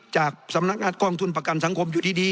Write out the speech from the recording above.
จากสำนักงานกองทุนประกันสังคมอยู่ดี